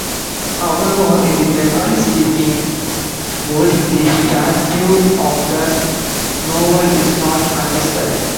However, in the Bengali-speaking world, the stature of the novel is not contested.